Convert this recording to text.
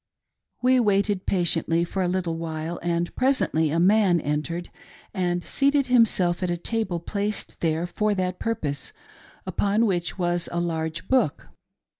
We waited patiently for a little while, and presently a man (Entered and seated himself at a table placed there for that pur pose, upon which was a large book.